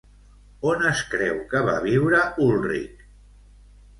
On es creu que va viure Ulrich?